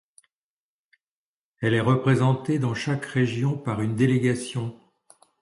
Elle est représentée dans chaque région par une délégation.